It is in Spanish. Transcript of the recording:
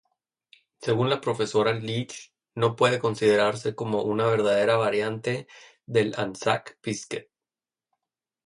Según la profesora Leach, no puede considerarse como una verdadera variante del "Anzac biscuit".